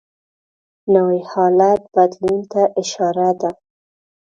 نوی حالت بدلون ته اشاره ده